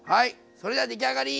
それでは出来上がり！